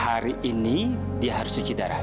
hari ini dia harus cuci darah